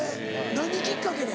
何きっかけで？